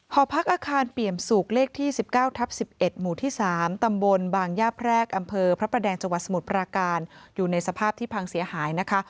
หอพักอาคารเปี่ยมสุกเลขที่๑๙ทับ๑๑หมู่ที่๓ตำบลบางย่าแพรกอำเภอพระประแดงจังหวัดสมุทรปราการอยู่ในสภาพที่พังเสียหายนะคะ